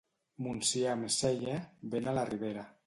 Montsià amb cella, vent a la Ribera.